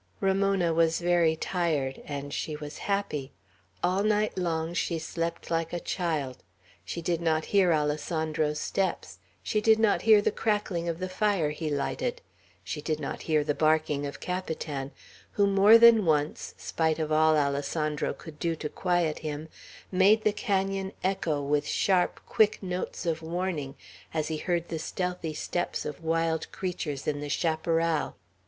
Ramona was very tired, and she was happy. All night long she slept like a child. She did not hear Alessandro's steps. She did not hear the crackling of the fire he lighted. She did not hear the barking of Capitan, who more than once, spite of all Alessandro could do to quiet him, made the canon echo with sharp, quick notes of warning, as he heard the stealthy steps of wild creatures in the chaparral.